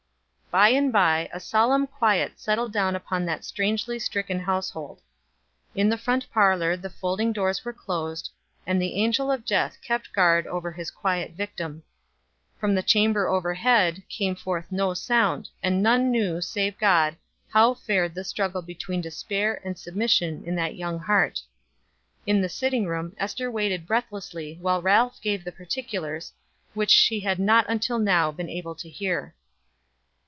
By and by a solemn quiet settled down upon that strangely stricken household. In the front parlor the folding doors were closed, and the angel of death kept guard over his quiet victim. From the chamber overhead came forth no sound, and none knew save God how fared the struggle between despair and submission in that young heart. In the sitting room Ester waited breathlessly while Ralph gave the particulars, which she had not until now been able to hear.